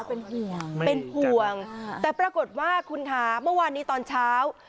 เป็นห่วงเป็นห่วงแต่ปรากฏว่าคุณคะเมื่อวานนี้ตอนเช้า